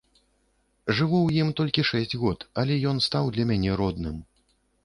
Жыву ў ім толькі шэсць год, але ён стаў для мяне родным.